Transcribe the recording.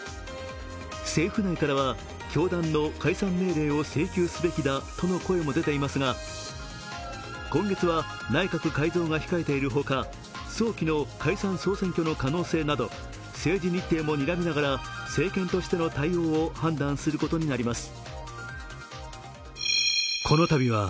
政府内からは、教団の解散命令を請求すべきだとの声も出ていますが今月は内閣改造が控えているほか早期の解散総選挙の可能性など政治日程もにらみながら、政権としての対応を判断するものとみられます。